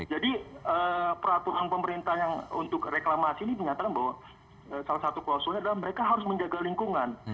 jadi peraturan pemerintah yang untuk reklamasi ini menyatakan bahwa salah satu klausulnya adalah mereka harus menjaga lingkungan